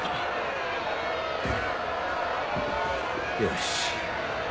よし。